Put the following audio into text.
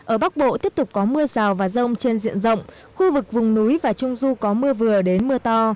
ở bắc bộ tiếp tục có mưa rào và rông trên diện rộng khu vực vùng núi và trung du có mưa vừa đến mưa to